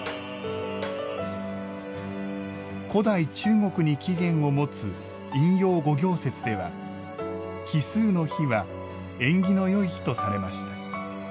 古代中国に起源を持つ陰陽五行説では、奇数の日は縁起の良い日とされました。